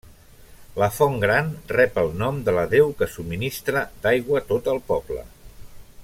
La Font Gran rep el nom de la deu que subministra d'aigua tot el poble.